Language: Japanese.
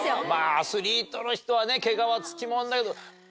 アスリートの人はねケガはつきものだけど。